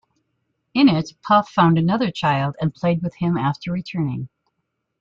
In it, Puff found another child and played with him after returning.